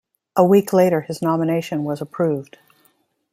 A week later, his nomination was approved.